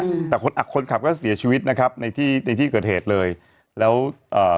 อืมแต่คนอ่ะคนขับก็เสียชีวิตนะครับในที่ในที่เกิดเหตุเลยแล้วเอ่อ